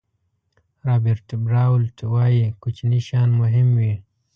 رابرټ براولټ وایي کوچني شیان مهم وي.